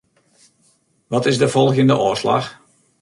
Wat is de folgjende ôfslach?